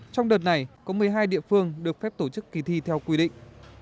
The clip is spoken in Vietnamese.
trong đợt này có một mươi hai địa phương được phép tổ chức kỳ thi theo quy định